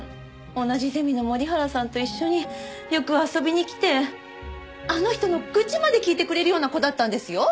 同じゼミの森原さんと一緒によく遊びに来てあの人の愚痴まで聞いてくれるような子だったんですよ。